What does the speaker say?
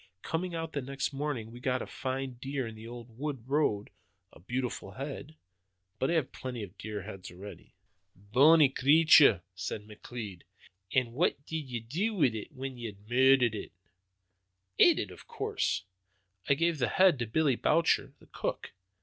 Coming out the next morning we got a fine deer on the old wood road a beautiful head. But I have plenty of deer heads already." "Bonny creature!" said McLeod. "An' what did ye do wi' it, when ye had murdered it?" "Ate it, of course. I gave the head to Billy Boucher, the cook.